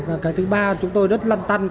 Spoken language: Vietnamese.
và cái thứ ba là chúng tôi rất là